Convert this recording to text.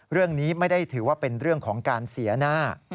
เรื่องนี้ไม่ได้ถือว่าเป็นเรื่องของการเสียหน้า